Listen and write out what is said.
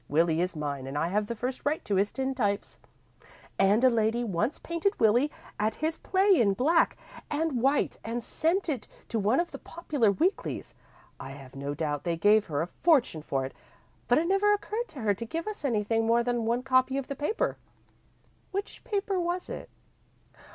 Willie is mine and I have the first right to his tintypes. And a lady once painted Willie at his play in black and white and sent it to one of the popular weeklies. I have no doubt they gave her a fortune for it, but it never occurred to her to give us anything more than one copy of the paper." "Which paper was it?"